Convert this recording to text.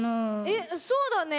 えっそうだね。